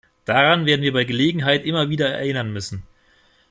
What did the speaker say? Daran werden wir bei Gelegenheit immer wieder erinnern müssen.